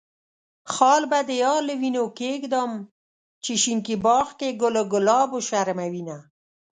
خال به د يار له وينو کيږدم، چې شينکي باغ کې ګل ګلاب وشرموينه.